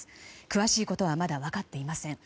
詳しいことはまだ分かっていません。